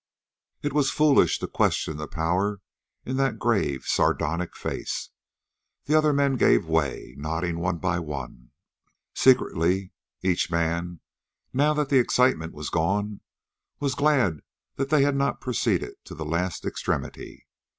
It was foolish to question the power in that grave, sardonic face. The other men gave way, nodding one by one. Secretly each man, now that the excitement was gone, was glad that they had not proceeded to the last extremity.